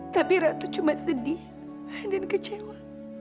tapi ratu cuma sedih dan kecewa